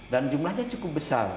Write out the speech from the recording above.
dan jumlahnya cukup besar